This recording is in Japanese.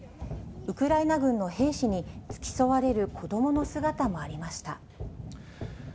ウクライナ軍の兵士に付き添われる子どもの姿もありました。